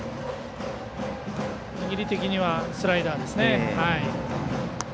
握り的にはスライダーですね。